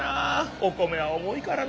お米は重いからなあ。